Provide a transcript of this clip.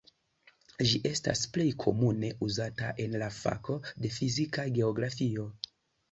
Ĝi estas plej komune uzata en la fako de fizika geografio.